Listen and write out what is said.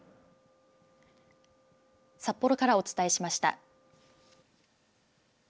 札幌からお伝えしました。